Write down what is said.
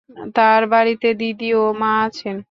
তার বাড়িতে দিদি ও মা আছেন।